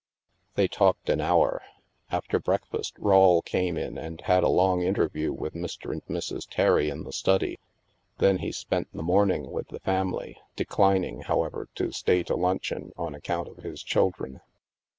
They talked an hour. After breakfast Rawle came in and had a long interview with Mr. and Mrs. Terry in the study. Then he spent the morning with the family, declining, however, to stay to lunch eon on account of his children.